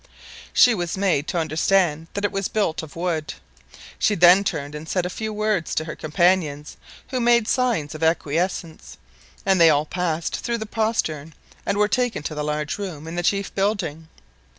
She was made to understand that it was built of wood; she then turned and said a few words to her companions, who made signs of acquiescence, and they all passed through the postern, and were taken to the large room in the chief building.